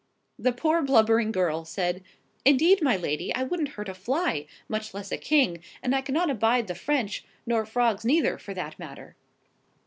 The poor, blubbering girl said, "Indeed, my lady, I wouldn't hurt a fly, much less a king, and I cannot abide the French, nor frogs neither, for that matter."